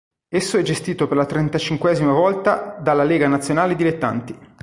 Esso è gestito per la trentacinquesima volta dalla Lega Nazionale Dilettanti.